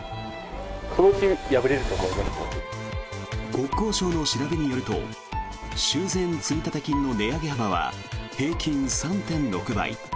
国交省の調べによると修繕積立金の値上げ幅は平均３．６倍。